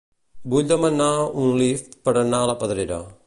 Vull demanar un Lyft per anar a la Pedrera.